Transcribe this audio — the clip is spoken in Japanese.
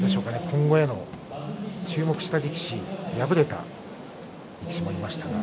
今後の注目したい力士敗れた力士もいましたが。